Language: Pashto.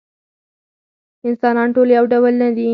انسانان ټول یو ډول نه دي.